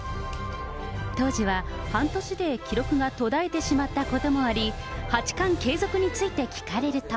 当時は半年で記録が途絶えてしまったこともあり、八冠継続について聞かれると。